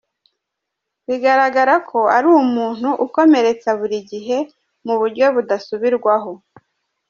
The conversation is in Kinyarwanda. Bigaragara ko ari umuntu ukomeretsa buri gihe, mu buryo budasubirwaho.